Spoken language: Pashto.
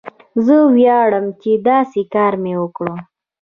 زه ویاړم چې داسې کار مې وکړ.